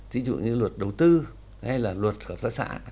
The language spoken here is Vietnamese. thí dụ như luật đầu tư hay là luật hợp tác xã